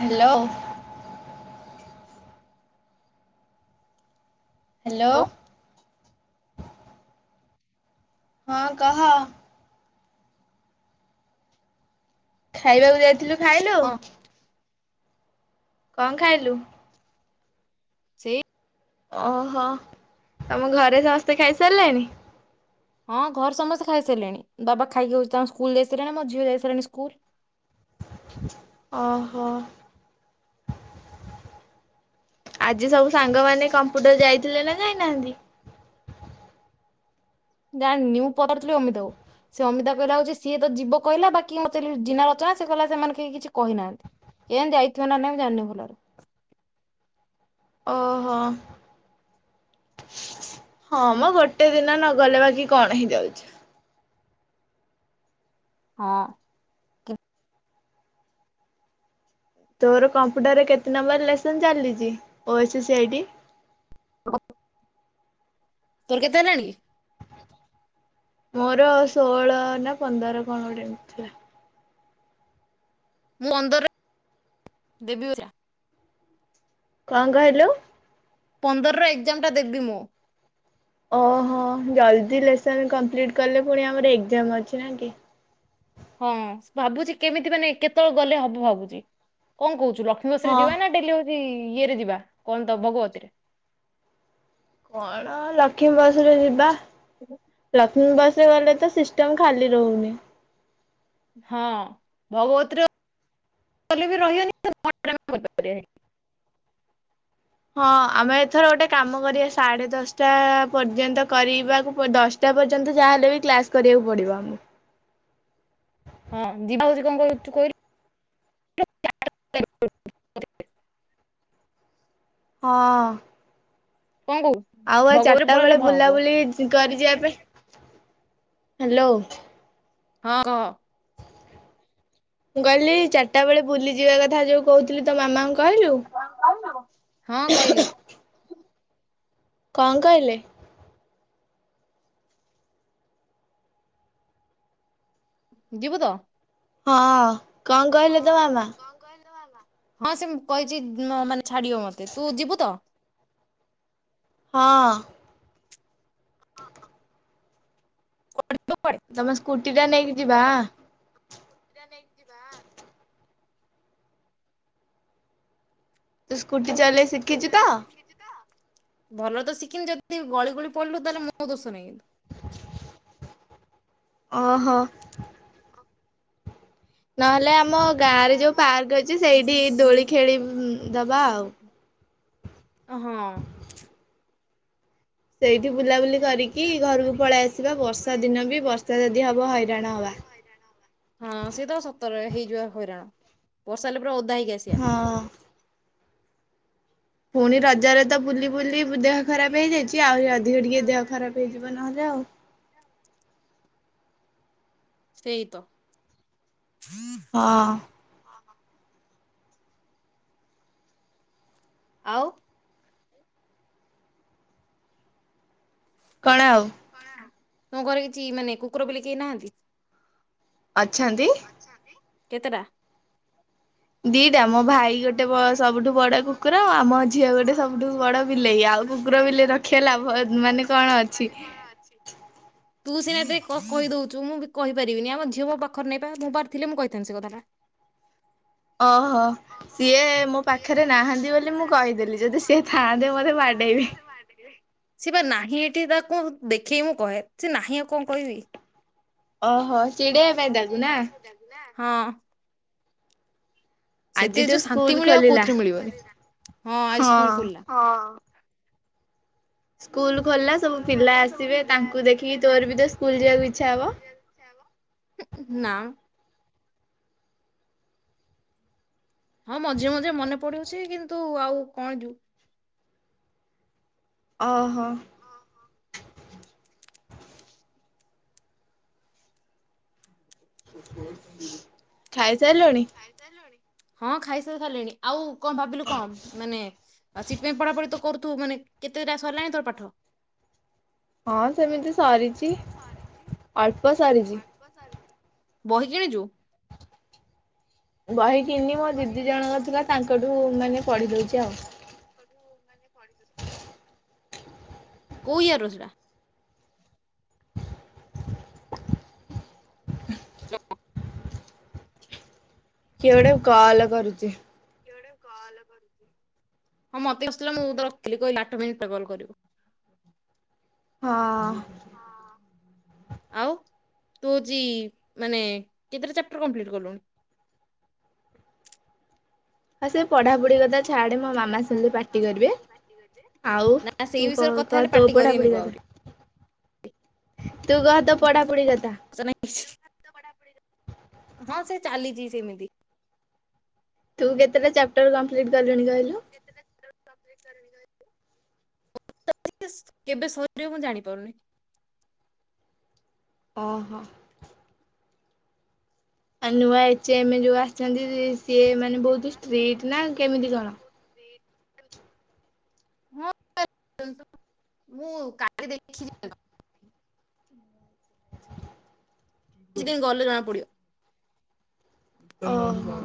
Hello hello ହଁ କହ। ଖାଇବାକୁ ଯାଇଥିଲୁ ଖାଇଲୁ। ହଁ କଣ ଖାଇଲୁ? ସେ [unintelligible] ଓହୋ ତମ ଘରେ ସମସ୍ତେ ଖାଇସାରିଲେଣି? ହଁ ଘରେ ସମସ୍ତେ ଖାଇ ସାରିଲେଣି ବାବା ଖାଇକି ହଉଛି ତାଙ୍କୁ ସ୍କୁଲ ଯାଇ ସାରିଲେଣି ମୋ ଝିଅ ଜାଇସାରିଲାଣି ସ୍କୁଲ। ଓହୋ। ଆଜି ସବୁ ସାଙ୍ଗ ମାନେ କମ୍ପୁଟର ଯାଇଥିଲେ ନା ଯାଇନାହାନ୍ତି? ନା [unintelligible] ନିୁ ପର ଥିଲ [unintelligible] ଏମିତି ହଉ। ସେ ଅମିତା କହିଲା ହଉଛି ସିଏ ତ ଯିବ କହିଲା ବାକି ମୋତେ ଜିନା ରଚନା ସେ କହିଲା ସେମାନେ କେହି କିଛି କହିନାହାନ୍ତି। କେଜାଣି ଯାଇଥିବେ ନା ନାହିଁ ମୁ ଜାଣିନି ଭଲରେ। ଓହୋ। ହଁ ମ ଗୋଟେ ଦିନ ନଗଲେ ବାକି କଣ ହେଇଯାଉଛି। ହଁ। ତୋର କମ୍ପ୍ୟୁଟରରେ କେତେ ନମ୍ବର ଲେସନ ଚାଲିଛି ଓ ସି ସି ଇଡି। [unintelligible] [inaudible] ତୋର କେତେ ହେଲାଣି। ମୋର ଷୋହଳ ନା ପନ୍ଦର କଣ ଗୋଟେ ଏମତି ଥିଲା। ମୁଁ ଅନ୍ଦର ଦେବି। [unintelligible] [inaudible] କଣ କହିଲୁ। ପନ୍ଦରର ଏକ୍ଜାମ ଟା ଦେବି ମୁଁ। ଓହୋ ଜଲ୍ଦି ଲେସନ କମ୍ପ୍ଲିଟ୍ କଲେ ପୁଣି ଆମର ଏକ୍ଜାମ ଅଛି ନା କି। ହଁ ଭାବୁଛି କେମିତି ମାନେ କେତେବେଳେ ଗଲେ ହବ ଭାବୁଛି କଣ କହୁଛୁ ଲକ୍ଷ୍ମୀ। ଶଂସରେ ହଁ ଯିବା ନା ଡେଲି ହଉଛି ଇଏରେ ଯିବା କଣ ତ ଭଗବତୀରେ। କଣ ଲକ୍ଷ୍ମୀ ବସରେ ଯିବା। ହ [unintelligible] ଲକ୍ଷ୍ମୀ ବସ ରେ ଗଲେ ତ ସିଷ୍ଟମ ଖାଲି ରହୁନି। ହଁ ଭଗବତୀରେ [unintelligible] ବି ରହିବେନି। [unintelligible] [inaudible] ହଁ ଆମେ ଏଥର ଗୋଟେ କାମ କରିବା ସାଢେ ଦଶଟା ପର୍ଯ୍ୟନ୍ତ କରିବାକୁ ଦଶ। ତ ପର୍ଯ୍ୟନ୍ତ ଯାହାହଲେବ ବି କ୍ଲାସ୍ କରିବାକୁ ପଡ଼ିବ ଆମକୁ। ହଁ ଦିବାଛି କଣୁ କହିଲି। [unintelligible] ହଁ। କଣୁ। [unintelligible] [inaudible] ଆଉ ଆଉ ଚାରିଟା ବେଳେ ବୁଲାବୁଲି କରିଛିିବା ପାଇଁ ହ୍ୟାଲୋ। ହଁ କହ। ମୁଁ କହିଲି ଚାରିଟା ବେଳେ ବୁଲିଯିବା କଥା ଯୋଉ କହୁଥିଲି ତୋ ମାମାଙ୍କୁ। କହିଲୁ ହଁ କହିଲି। କଁ କହିଲେ। ଯିବୁ ତ। ହଁ କଣ କହିଲେ ତୋ ମାମା। ହଁ ସେ କହିଛି ମାନେ ଛାଡିବ ମତେ ତୁ ଯିବୁ ତ। ହଁ। ହଁ। କୁଆଡେ ଜିବା କୁଆଡ଼େ। ତମ ସ୍କୁଟି ଟା ନେଇକି ଯିବା। ସ୍କୁଟି ଟା ନେଇକି ଯିବା। ତୁ ସ୍କୁଟି ଚାଲେଇ ସି ଭଲ ତ ଶିଖିନି ଯଦି ଗଳି ଗୁଳି ପଡିଲୁ ତାହେଲେ ମୁଁ ଦୋଷ ନାହିଁ କିନ୍ତୁ। ଓହୋ। ଅ। ନହେଲେ ଆମ ଗାଁରେ ଯୋଉ ପାର୍କ ଅଛି ସେଇଠି ଦୋଳି ଖେଳି ଦବା ଆଉ। ଅ ହଁ। ସେଇଠି ବୁଲାବୁଲି କରିକି ଘରକୁ ପଳାଇ ଆସିବା ବର୍ଷା ଦିନ ବି ବର୍ଷା ଯଦି ହବ ହଇରାଣ ହବା। ହଇରାଣ ହବା। ହଁ ସେତ ସତରେ ହେଇଯିବା ହଇରାଣ ବର୍ଷା ହେଲେ ପୁରା ଓଦା ହେଇକି ଆସିବା। ହଁ। ପୁଣି ରଜରେ। ତ ବୁଲି ବୁଲି ଦେହ ଖରାପ ହେଇ ଯାଇଛି ଆହୁରି ଅଧିକ ଟିକେ ଦେହ ଖରାପ ହେଇଯିବ ନହେଲେ ଆଉ। ସେଇ ତ। ହଁ। ଆଉ। କଣ ଆଉ। ତମ ଘରେ କିଛି ମାନେ କୁକୁର ବିଲେଇ କେହି ନାହାନ୍ତି। ଅଛନ୍ତି। କେତେଟା? ଦିଟା ମୋ ଭାଇ। ଇ ଗୋଟେ ସବୁଠୁ ବଡ କୁକୁର ଆଉ ଆମ ଝିଅ ଗୋଟେ ସବୁଠୁ ବଡ ବିଲେଇ ଆଉ କୁକୁର ବିଲେଇ ରଖ କୁକୁର ବିଲେଇ ରଖିଲେ ଲାଭ ମାନେ କଣ ଅଛି। ତୁ ସିନା ଏବେ କ କହି ଦଉଛୁ ମୁଁ ବି କହିପାରିବିନି ଆମ ଝିଅ ମୋ ପାଖରେ ନାଇବା ମୁଁ ପାଖରେ ଥିଲେ ମୁଁ କହିଥାନ୍ତି ସେ କଥାଟା। ଓହୋ। ସିଏ ମୋ ପାଖରେ ନାହାନ୍ତି ବୋଲି ମୁଁ କହିଦେଲି ଯଦି ସିଏ ଥାଆନ୍ତେ ମତେ ବାଡେଇବେ। ବାଡେଇବେ। ସେ ବା ନାହିଁ ଏଠି ତାକୁ ଦେଖେଇ ମୁଁ କହେ ସେ ନାହିଁ ଆଉ କଁ କହିବି। ଓହୋ ଚିଡେଇଆ ପାଇଁ ତାକୁ ନା। ହଁ। ସେଥିରେ ଆଜିଠୁ ଯୋଉ ସ୍କୁଲ ଶାନ୍ତି ମିଳିବ ଆଉ ଖୋଲିଲା କୋଉଥିରେ ହଁ। ମିଳିବନି ହଁ। ସ୍କୁଲ ଖୋଲିଲା ସବୁ ପିଲା ଆସିବେ ତାଙ୍କୁ ଦେଖିକି ତୋର ବି ତ ସ୍କୁଲ ଯିବାକୁ ଇଚ୍ଛା ହବ। ହୁଁ ନା। ହଁ ମଝିରେ ମଝିରେ ମନେ ପଡୁଛି କିନ୍ତୁ ଆଉ କଣ ଯିବୁ। ଅହୋ। ଅ ହୋ। ଖାଇ ସାଇଲୁଣି? ହଁ ଖାଇ ସାଇ ସାରିଲିଣି ଆଉ କଁ ଭାବିଲୁ କଁ ମାନେ ସିଟି ପାଇଁ ପଢାପଢି ତ କରୁଥୁବୁ ମାନେ କେତେ ଟା ସରିଲାଣି ତୋର ପାଠ? ହଁ ସେମିତି ସରିଚି ଅଳ୍ପ ସରିଚି। ବହି କିଣିଚୁ? ବହି କିିନି ମୋ ଦିଦି ଜଣଙ୍କ ଥିଲା ତାଙ୍କଠୁ ମାନେ ପଢି ଦଉଛି ଆଉ। କୋଉ ଇୟର୍ ର ସେଟା? କିଏ ଗୋଟେ କଲ କରୁଛି। ହଁ ମତେ ଆସିଥିଲା ମୁଁ ରଖିଥିଲି କହିଲି ଆଠ ମିନିଟା କଲ କରିବୁ। ହଁ। ଆଉ ତୁ ହଉଛି ମାନେ କେତେଟା ଚାପ୍ଟର କମ୍ପ୍ଲିଟ୍ କଲୁଣି? ହଁ ସେ ପଢ଼ାପଢ଼ି କଥା ଛାଡ଼େ ମୋ ମାମା ଶୁଣିଲେ ପାଟି କରିବେ ଆଉ। ନା ସେଇ ତୁ କ ବିଷୟରେ କଥା କ ହେଲେ ତୋ ପାଟି କରିବେନି ପଢ଼ାପଡ଼ି କହ ଆହୁରି। କଥା। ତୁ କହ ତୋ ପଢାପଢି କଥା। [inaudible] ହଁ ସେ ଚାଲିଛି ସେମିତି। ତୁ କେତଟା ଚାପଟର କମ୍ପ୍ଲିଟ୍ କଲୁଣି କହିଲୁ। [inaudible] କେବେ ସରିବ ମୁଁ ଜାଣିପାରୁନି। ଅହୋ। ଆ ନୂଆ ଏଚ ଏମ ଯୋଉ ଆସିଛନ୍ତି। ସିଏ ମାନେ ବହୁତ ଷ୍ଟ୍ରିଟ୍ ନା କେମିତି କଣ? [inaudible] [inaudible] [inaudible] କିଛି ଦିନ ଗଲେ ଜଣା ପଡିବ। ଓହୋ।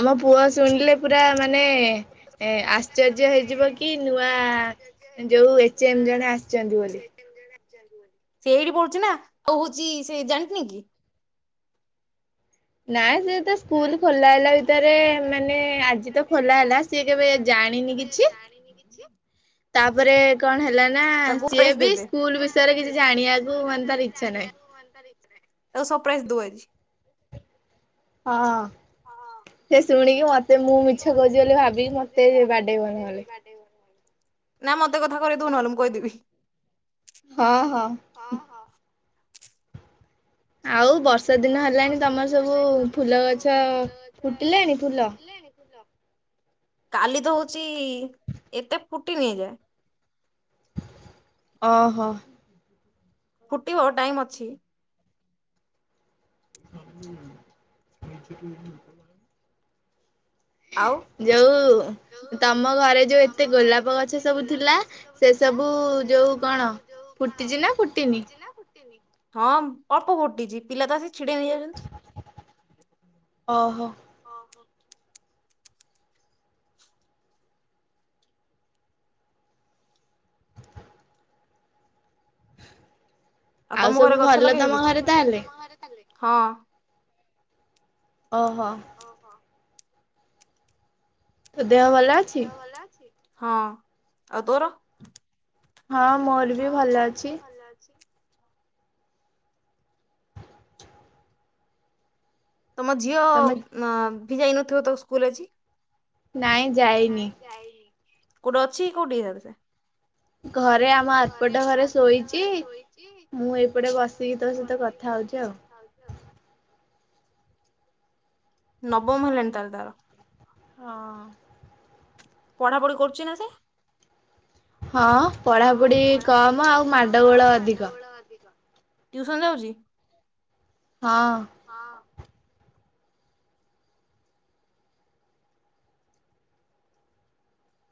ଆମ ପୁଅ ଶୁଣିଲେ ପୁରା ମାନେ ଏ ଆଶ୍ଚର୍ଯ୍ୟ ହେଇଯିବ କି ନୂଆ ଯେଉଁ ଏଚ୍ ଏମ୍ ଜଣେ ଆସିଛନ୍ତି ବୋଲି। ସେ ଏଇଠି ପଡୁଚୁ ନା ଆଉ ହଉଛି ସେ ଜାଣିନି କି। ନାଇଁ ସେ ତ ସ୍କୁଲ ଖୋଲା ହେଲା ଭିତରେ ମାନେ ଆଜି ତ ଖୋଲା ହେଲା ସିଏ କେବେ ଜାଣିନି କିଛି। [inaudible] ତାପରେ କଣ ହେଲା ନା ତାକୁ ସିଏ ପ୍ରାଇଜ ବି ଦେଇଦେ। ସ୍କୁଲ ବିଷୟରେ କିଛି ଜାଣିବାକୁ ମାନେ ତାର ଇଚ୍ଛା ନାହିଁ। [inaudible] ତାକୁ ସରପ୍ରାଇଜ ଦବୁ ଆଜି। ହଁ। ସେ ଶୁଣିକି ମତେ ମୁଁ ମିଛ କହୁଛି ବୋଲି ଭାବିକି ମତେ ବାଡେଇବ ନହେଲେ। ନା ମତେ କଥା କରେଇ ଦେବୁ ନହେଲେ ମୁଁ କହିଦେବି। ହଁ ହଁ ଆଉ ବର୍ଷା ଦିନ ଆଉ ହେଲାଣି ବର୍ଷା ତମର ଦିନ ସବୁ ହେଲାଣି ତମର ଫୁଲ ସବୁ ଗଛ ଫୁଲ ଗଛ ଫୁଟିଲାଣି ଫୁଲ? ଫୁଟିଲାଣି ଫୁଲ। କାଲି ତ ହଉଛି ଏତେ ଫୁଟି ନାଇଁ ଜେ ଅହ। ଫୁଟିବ, ଟାଇମ ଅଛି। [unintelligible] [inaudible] ଆଉ ଯୋଉ ତମ ଘରେ ଯୋଉ ଏତେ ଗୋଲାପ ଗଛ ସବୁ ଥିଲା। ସେ ଥିଲା ସବୁ ସେ ଯୋଉ ସବୁ କଣ ଯୋଉ କଣ ଫୁଟିଛି ନା ଫୁଟିନି? ଫୁଟିଛି ନା ଫୁଟିନି? ହଁ ଅଳ୍ପ ଫୁଟିଛି। ପିଲା ତ ଆସିକି ଛିଡେଇ ନେଇଯାଉଛନ୍ତି। ଅହ। ଅ ହ। [inaudible] ଆଉ ତମ ସବୁ ଘରେ ଗଛ ଭଲ ଲଗେଇନ ତମ କିଛି, ଘରେ ତାହେଲେ? [inaudible] ହଁ। ଅହ। ଅହ ତୋ ଦେହ ଭଲ ତୋ ଅଛି? ଦେହ ଭଲ ଅଛି? ହଁ, ଆଉ ତୋର? ହଁ ମୋର ବି ହଁ ଭଲ ମୋର ଅଛି ବି ଭଲ ଅଛି। ତୁମ ଝିଅ ତମେ ଆ ଭି ଯାଇନଥିବ ତ ସ୍କୁଲ ଆଜି? ନାଇଁ ଯାଏ ନାଇଁ ଯାଇନି କୋଉଠି ଅଛି କୋଉଠି ଏଇନେ ସେ? ଘରେ ଆମ ଆରପଟ ଘରେ ଶୋଇଛି ମୁଁ ଏ ପଟେ ବସିକି ତୋ ସହିତ କଥା ହଉଛି ଆଉ। ନବମ ହେଲାଣି ତାହେଲେ ତାର। ହଁ। ପଢା ପଢି କରୁଛି ନା ସେ? ହଁ ପଢ଼ାପଢ଼ି କମ ଆଉ ମାଡଗୋଳ ଅଧିକ। ଅଧିକ ଟିଉସନ ଯାଉଛି? ହଁ। ହଁ।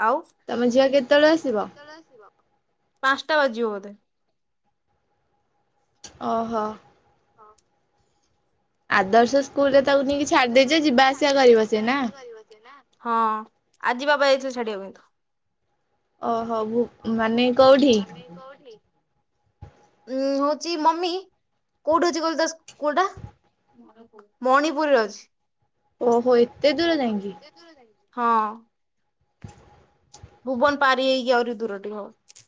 ଆଉ ତମ କେତେବେଳେ ଝିଅ ଆସିବ? କେତେବେଳେ ଆସିବ? ପାଞ୍ଚଟା ବାଜିବ ବୋଧେ। ଓହୋ। ହଁ। ଆଦର୍ଶ ସ୍କୁଲରେ ତାକୁ ଆଦର୍ଶ ନେଇକି ଛାଡି ସ୍କୁଲରେ ଦେଇଛ ତାକୁ ଯିବା ନେଇକି ଆସିବା ଛାଡିଦେଇଛ କରିବ ସେ ଯିବା ନା ଆସିବ କରିବ ସିଏ ନା। ହଁ ଆଜିି ବାବା ଯାଇଥିଲେ ଛାଡିବା ପାଇଁ ତାକୁ। ଓହୋ ଭୁ ଅ ମାନେ ହଉ କୋଉଠି [unintelligible] ମାନେ କୋଉଠି? ଉଁ ହଉଛି ମମି କୋଉଠି ଅଛି କହିଲୁ ତା ସ୍କୁଲ ଟା? ମଣିପୁରରେ ଅଛି। ଓହୋ ଏତେ ଦୂର ଯାଇଁକି। ହଁ। [unintelligible] ଭୁବନ ପାରି ହେଇକି ଆହୁରି ଦୂର ଟିକେ ହବ।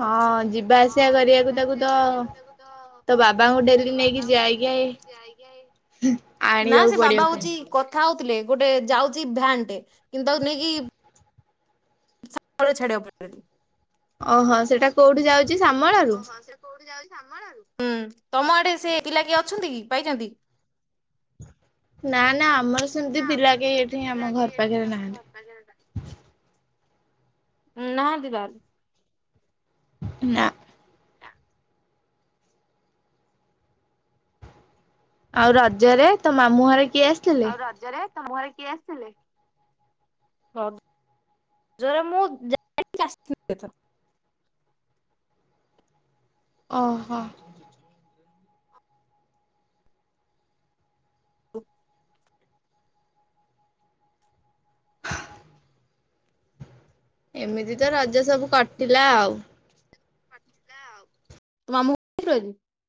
ହଁ ଯିବା ହଁ ଆସିବା କରିବାକୁ ଯିବା ତାକୁ ଆସିବା ତ କରିବାକୁ ତାକୁ ତ ତୋ ବାବାଙ୍କୁ ଡେଲି ତୋ ନେଇକି ବାବାଙ୍କୁ ଡେଲି ଯାଇକି ନେଇକି ନା ଆଣିବାକୁ ସେ ବାବା ପଡିବ ପୁଣି। ହଉଛି କଥା ହଉଥିଲେ ଗୋଟେ ଯାଉଛି ଭ୍ୟାନଟେ କିନ୍ତୁ ତାକୁ ନେଇକି ଆଉ ଛାଡ଼ିବାକୁ ପଡ଼ିବନି। ଓହୋ ସେଇଟା କୋଉଠି ଯାଉଛି ଶ୍ୟାମଳାରୁ? ହୁଁ ତମ ଆଡେ ସେ ପିଲା କିଏ ଅଛନ୍ତି କି ପାଇଛନ୍ତି? ନା ନା ଆମର ସେମିତି ପିଲା କେହି ଏଠି ଆମ ଘର ପାଖରେ ନାହାନ୍ତି। ନାହାନ୍ତି ବାହାରେ। ନା। ଆଉ ରଜରେ ତୋ ମାମୁଁ ଘରେ କିଏ ଆସ ଆଉ ରଜରେ ତମ ଘରେ କିଏ ଆସିଥିଲେ? ରଜରେ ମୁଁ ଯାଇ [unintelligible] ଆସିଥିଲେ ତ! ଅ ହ। ହ ଏମିତି ତ ରଜ ସବୁ କଟିଲା ଆଉ। ତୋ ମାମୁଁ ଘର [unintelligible]